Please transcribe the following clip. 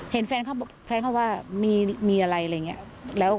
แฟนเขาว่ามีอะไรอะไรอย่างนี้